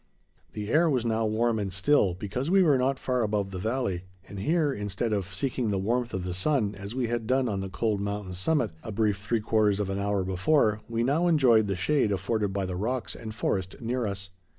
The air was now warm and still, because we were not far above the valley, and here, instead of seeking the warmth of the sun as we had done on the cold mountain summit, a brief three quarters of an hour before, we now enjoyed the shade afforded by the rocks and forest near us.